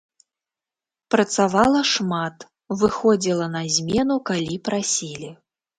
Працавала шмат, выходзіла на змену, калі прасілі.